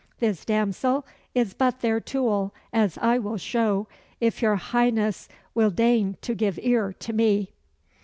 This damsel is but their tool, as I will show, if your Highness will deign to give ear to me."